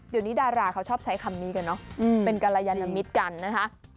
เดี๋ยวนี้ดาราเขาชอบใช้คำนี้กันเนอะเป็นกรยานมิตรกันนะคะ